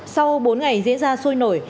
sau bốn ngày diễn ra sôi nổi